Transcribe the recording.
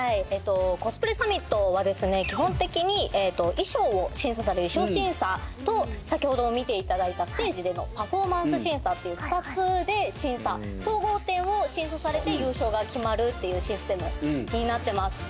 コスプレサミットは基本的に衣装を審査される衣装審査と先ほど見ていただいたステージでのパフォーマンス審査っていう２つで審査総合点を審査されて優勝が決まるっていうシステムになってます